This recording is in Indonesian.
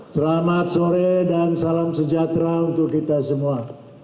selamat sore dan salam sejahtera untuk kita semua